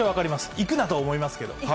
いくなとは思いますけど。